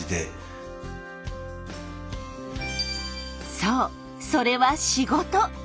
そうそれは仕事。